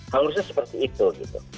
halusnya seperti itu gitu